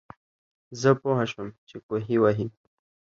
زۀ پوهه شوم چې کوهے وهي